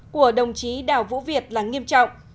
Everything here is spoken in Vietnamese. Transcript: của đồng chí đào vũ việt là nghiêm trọng